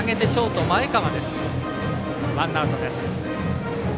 ワンアウトです。